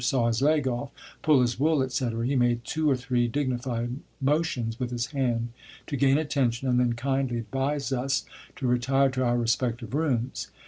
'Saw his leg off!' 'Pull his wool!' etc., he made two or three dignified motions with his hand to gain attention, and then kindly advised us to 'retire to our respective rooms.'